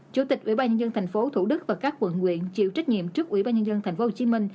chủ tịch ủy ban nhân dân thành phố thủ đức và các quận quyện chịu trách nhiệm trước ủy ban nhân dân tp hcm